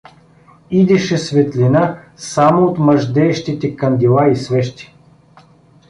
Идеше светлина само от мъждеещите кандила и свещи.